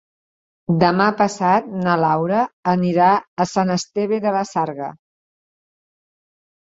Demà passat na Laura anirà a Sant Esteve de la Sarga.